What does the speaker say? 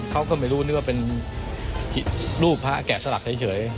เขาก็ไม่รู้นึกว่าเป็นรูปพระแกะสลักเฉย